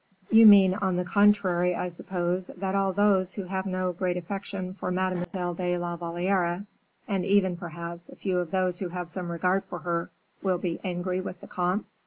"You mean, on the contrary, I suppose, that all those who have no great affection for Mademoiselle de la Valliere, and even, perhaps, a few of those who have some regard for her, will be angry with the comte?"